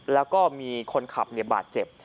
แล้วก็มีคนขับบาดเจ็บ